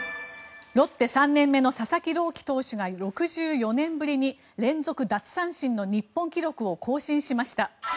ロッテ３年目の佐々木朗希投手が６４年ぶりに連続奪三振の日本記録を更新しました。